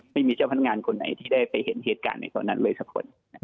ที่ได้ไปเห็นเหตุการณ์ในตอนนั้นเลย